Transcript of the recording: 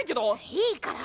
いいから。